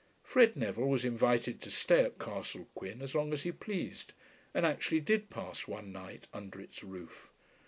Fred Neville was invited to stay at Castle Quin as long as he pleased, and actually did pass one night under its roof.